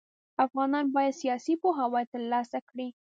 افغانان بايد سياسي پوهاوی ترلاسه کړي.